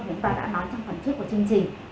chúng ta đã nói trong phần trước của chương trình